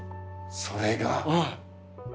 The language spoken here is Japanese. それが。